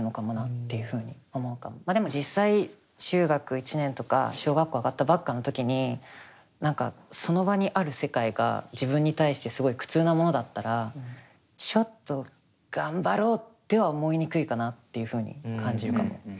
まあでも実際中学１年とか小学校上がったばっかの時に何かその場にある世界が自分に対してすごい苦痛なものだったらちょっと頑張ろうっては思いにくいかなっていうふうに感じるかも。